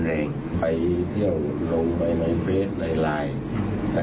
และก็ไม่ได้ยัดเยียดให้ทางครูส้มเซ็นสัญญา